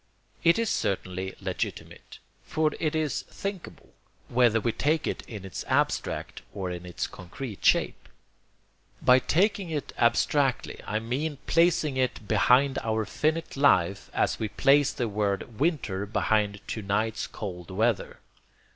It is certainly legitimate, for it is thinkable, whether we take it in its abstract or in its concrete shape. By taking it abstractly I mean placing it behind our finite life as we place the word 'winter' behind to night's cold weather.